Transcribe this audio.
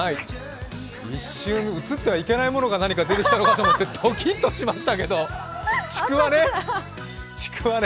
一瞬、映ってはいけないものが何か出たのかと思ってドキッとしましたけどちくわね。